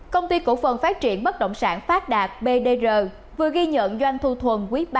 công ty cổ phần phát triển bất động sản phát đạt bdr vừa ghi nhận doanh thu thuần quý ba